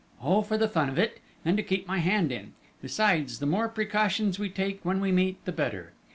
"Oh, for the fun of it, and to keep my hand in ... besides, the more precautions we take when we meet, the better.